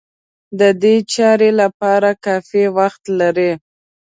د دې چارې لپاره کافي وخت لري.